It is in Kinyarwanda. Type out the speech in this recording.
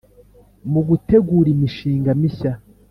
mu gutegura imishinga mishya,